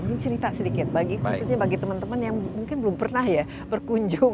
mungkin cerita sedikit khususnya bagi teman teman yang mungkin belum pernah ya berkunjung